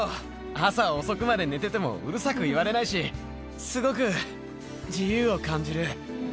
朝遅くまで寝ててもうるさく言われないし、すごく自由を感じる。